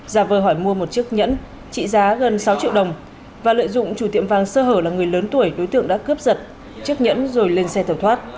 giả vờ hỏi mua một chiếc nhẫn trị giá gần sáu triệu đồng và lợi dụng chủ tiệm vàng sơ hở là người lớn tuổi đối tượng đã cướp giật chiếc nhẫn rồi lên xe tẩu thoát